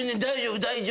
大丈夫よ。